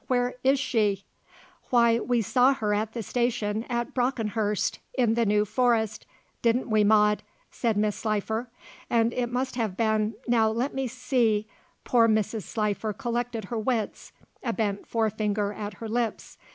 Where is she!" "Why, we saw her at the station at Brockenhurst in the New Forest didn't we Maude," said Mrs. Slifer, "and it must have been now let me see " poor Mrs. Slifer collected her wits, a bent forefinger at her lips.